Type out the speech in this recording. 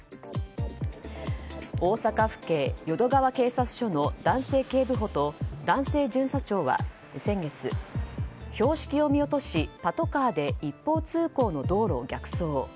大阪府警淀川警察署の男性警部補と男性巡査長は先月標識を見落としパトカーで一方通行の道路を逆走。